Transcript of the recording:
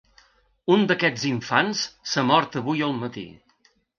Un d’aquests infants s’ha mort avui al matí.